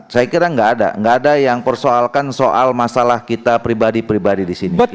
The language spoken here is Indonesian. saya kira gak ada gak ada yang persoalkan soal masalah kita pribadi pribadi disini